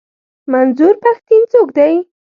منظور پښتين څوک دی؟